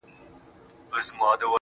او یا ځان را باندي لولي